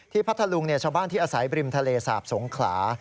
พัทธลุงชาวบ้านที่อาศัยบริมทะเลสาบสงขลา